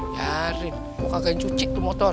yarin kok kagak cuci tuh motor